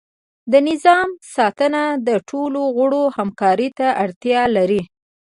د نظام ساتنه د ټولو غړو همکاری ته اړتیا لري.